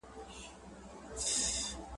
زه به اوږده موده سیر کړی وم!